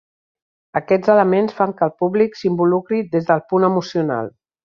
Aquests elements fan que el públic s'involucri des del punt emocional.